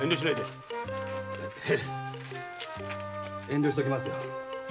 遠慮しときます。